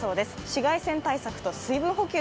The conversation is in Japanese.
紫外線対策と水分補給